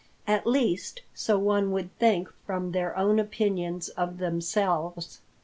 At least so one would think from their own opinions of themselves.